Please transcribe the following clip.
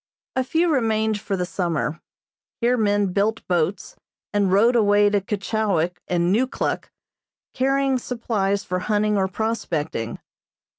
A few remained for the summer. Here men built boats, and rowed away to Keechawik and Neukluk, carrying supplies for hunting or prospecting.